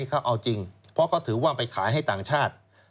เขาเอาจริงเพราะเขาถือว่าไปขายให้ต่างชาติ